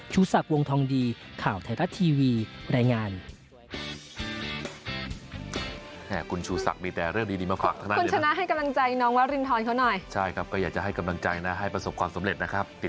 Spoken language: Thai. ชูศักดิ์วงทองดีข่าวไทยรัฐทีวีรายงาน